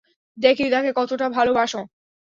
দেখি তাকে কতটা ভালবাসো।